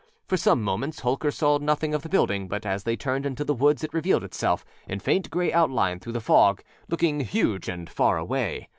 For some moments Holker saw nothing of the building, but as they turned into the woods it revealed itself in faint gray outline through the fog, looking huge and far away.